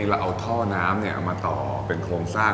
เราเอาท่อน้ำมาต่อเป็นโครงสร้าง